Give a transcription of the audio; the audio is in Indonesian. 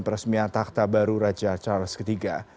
peresmian takta baru raja charles iii